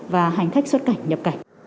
và hành khách xuất cảnh nhập cảnh